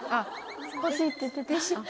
欲しいって言ってた。